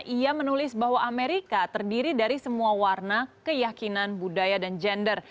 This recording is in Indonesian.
ia menulis bahwa amerika terdiri dari semua warna keyakinan budaya dan gender